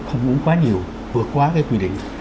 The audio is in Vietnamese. không uống quá nhiều vượt quá cái quy định